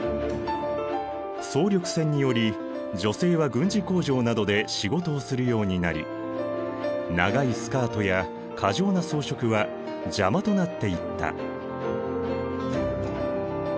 総力戦により女性は軍事工場などで仕事をするようになり長いスカートや過剰な装飾は邪魔となっていった。